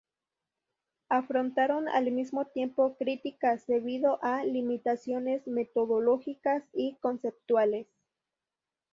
Afrontaron al mismo tiempo críticas debido a limitaciones metodológicas y conceptuales.